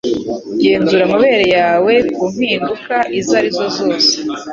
Genzura amabere yawe ku mpinduka izo arizo zose